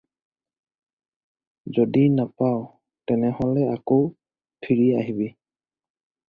যদি নাপাৱ তেনেহ'লে আকৌ ফিৰি আহিবি।